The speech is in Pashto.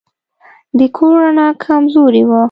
د کور رڼا کمزورې وه.